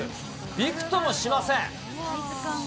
びくともしません。